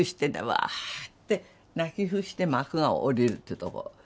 「わ」って泣き伏して幕が下りるっていうとこ。